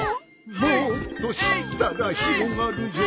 「もっとしったらひろがるよ」